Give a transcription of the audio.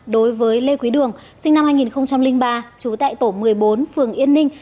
đối với lê quý đường sinh năm hai nghìn ba trú tại tổ một mươi bốn phường yên ninh